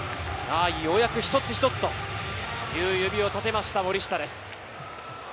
ようやく、一つ一つという指を立てました、森下です。